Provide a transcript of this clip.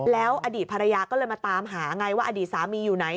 แล้วอดีตภรรยาก็เลยมาตามหาไงว่าอดีตสามีอยู่ไหน